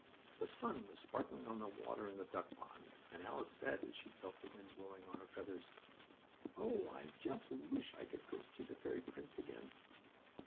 The sun was sparkling on the water in the duck pond, and Alice said, as she felt the wind blowing on her feathers: "Oh, I just wish I could go see the fairy prince again!"